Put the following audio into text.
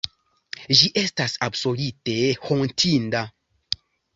Ĝi estas absolute hontinda.